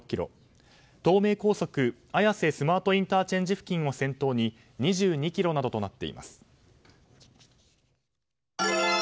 東名高速綾瀬スマートＩＣ付近を先頭に２２ｋｍなどとなっています。